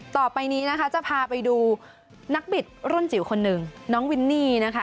ต่อไปนี้นะคะจะพาไปดูนักบิดรุ่นจิ๋วคนหนึ่งน้องวินนี่นะคะ